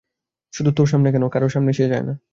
শুধু তোর সামনে কেন, কারো সামনেই সে যায় না।